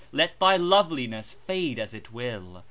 Let thy loveliness fade as it will.